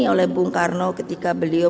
oleh bung karno ketika beliau